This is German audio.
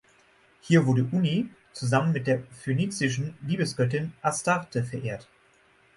Hier wurde Uni zusammen mit der phönizischen Liebesgöttin Astarte verehrt.